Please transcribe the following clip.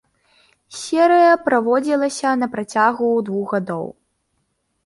Серыя праводзілася на працягу двух гадоў.